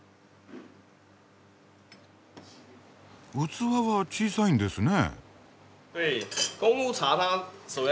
器は小さいんですね。